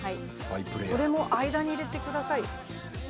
それも花の間に入れてください。